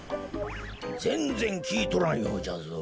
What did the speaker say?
ぜんぜんきいとらんようじゃぞ。